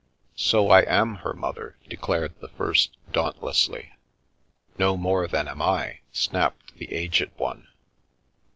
" So I am her mother," declared the first dauntlessly. No more than I am/' snapped the aged one.